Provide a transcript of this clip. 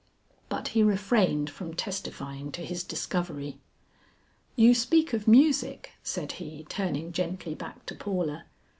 But he refrained from testifying to his discovery. "You speak of music," said he, turning gently back to Paula.